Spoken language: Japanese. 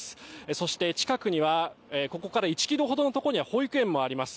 そして近くにはここから１キロほどのところには保育園もあります。